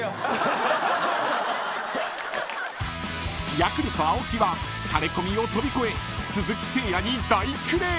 ［ヤクルト青木はタレコミを飛び越え鈴木誠也に大クレーム］